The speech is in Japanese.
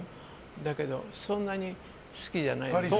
だけどそんなに好きじゃないです。